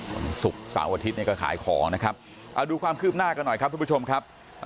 วันศุกร์เสาร์อาทิตย์เนี่ยก็ขายของนะครับเอาดูความคืบหน้ากันหน่อยครับทุกผู้ชมครับ